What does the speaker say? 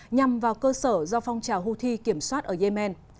nhằm vào cơ sở do phong trào houthi kiểm soát ở yemen